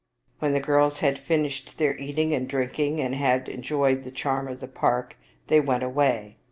When the girls had finished their eating and drinking and had enjoyed the charm of the park, they went away.